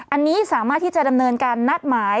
อันนี้สามารถที่จะดำเนินการนัดหมาย